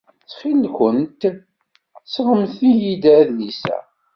Ttxil-went, sɣemt-iyi-d adlis-a.